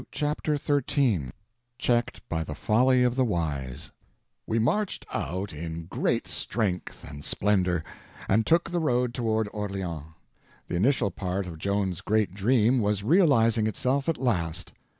—TRANSLATOR Chapter 13 Checked by the Folly of the Wise WE MARCHED out in great strength and splendor, and took the road toward Orleans. The initial part of Joan's great dream was realizing itself at last.